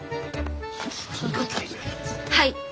はい！